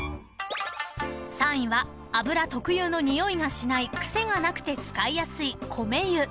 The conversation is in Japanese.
［３位は油特有の臭いがしない癖がなくて使いやすい］